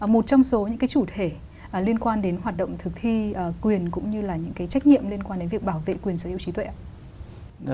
một trong số những cái chủ thể liên quan đến hoạt động thực thi quyền cũng như là những cái trách nhiệm liên quan đến việc bảo vệ quyền sở hữu trí tuệ ạ